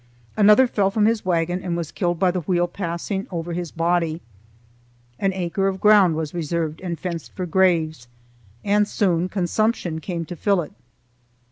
Another fell from his wagon and was killed by the wheel passing over his body. An acre of ground was reserved and fenced for graves, and soon consumption came to fill it.